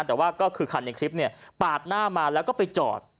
แต่ว่าก็คือคันในคลิปเนี่ยปาดหน้ามาแล้วก็ไปจอด